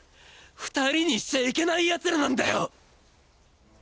２人にしちゃいけない奴等なんだよ！